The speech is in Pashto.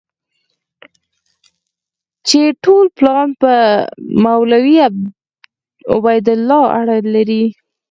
چې ټول پلان په مولوي عبیدالله اړه لري.